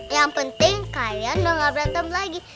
yang penting kalian gak berantem lagi